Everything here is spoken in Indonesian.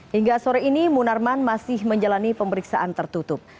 hingga sore ini munarman masih menjalani pemeriksaan tertutup